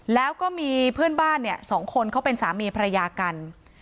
แล้วก็มีเพื่อนบ้านเนี่ย๒คนเขาเป็นสามีภรรยากัน